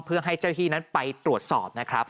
เพื่อให้เจ้าที่นั้นไปตรวจสอบนะครับ